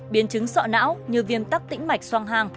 biến chứng sọ não như viêm tắc tĩnh mạch song hang